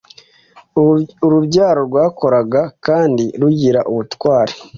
Urubyaro rwakoraga kandi rugira ubutwari